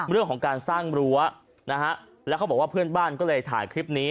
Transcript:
เรื่องของการสร้างรั้วนะฮะแล้วเขาบอกว่าเพื่อนบ้านก็เลยถ่ายคลิปนี้